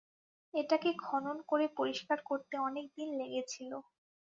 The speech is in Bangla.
এটাকে খনন করে পরিষ্কার করতে অনেকদিন লেগেছিলো।